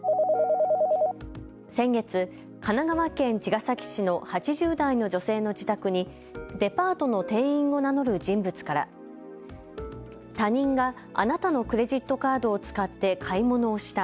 先月、神奈川県茅ヶ崎市の８０代の女性の自宅にデパートの店員を名乗る人物から他人があなたのクレジットカードを使って買い物をした。